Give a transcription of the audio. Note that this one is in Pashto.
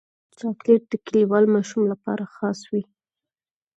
چاکلېټ د کلیوال ماشوم لپاره خاص وي.